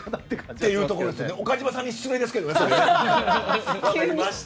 それは岡島さんに失礼ですけどね。